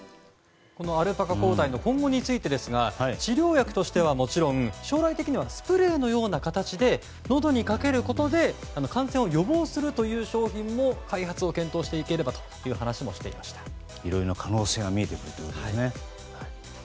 アルパカ抗体の今後についてですが治療薬としてはもちろん将来的にはスプレーのような形でのどにかけることで感染を予防するという商品も開発を検討していければといういろいろな可能性が見えてくるということですね。